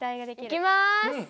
いきます！